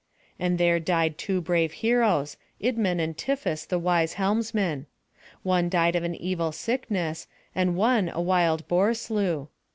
And there died two brave heroes, Idmon and Tiphys the wise helmsman; one died of an evil sickness, and one a wild boar slew.